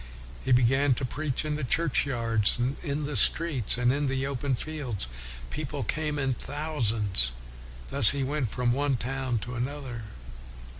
He began to preach in the churchyards, and in the streets, and in the open fields. People came in thou sands. Thus he went from one town to another.